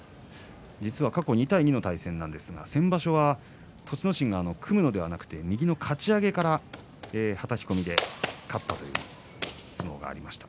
実は過去２対２の対戦なんですが先場所は栃ノ心が組むのではなく右のかち上げからはたき込みで勝ったという相撲がありました。